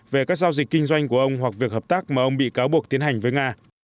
về các giao dịch kinh doanh của ông hoặc việc hợp tác mà ông bị cáo buộc tiến hành với nga